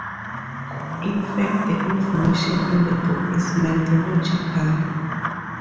In fact the information in the book is mythological.